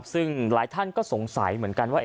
ซึ่งหลายท่านก็สงสัยเหมือนกันว่า